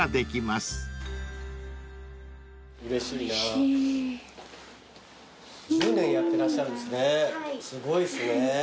すごいですね。